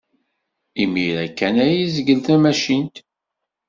Imir-a kan ay yezgel tamacint.